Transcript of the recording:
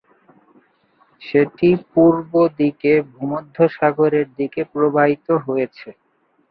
সেটি পূর্ব দিকে ভূমধ্যসাগর এর দিকে প্রবাহিত হয়েছে।